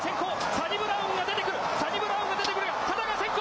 サニブラウンが出てくる、サニブラウンが出てくる、多田が先行。